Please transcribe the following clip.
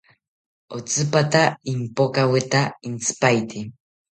Otsipata ipokaweta intzipaete